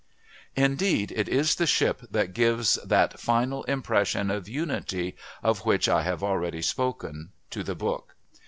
Indeed it is the ship that gives that final impression of unity, of which I have already spoken, to the book.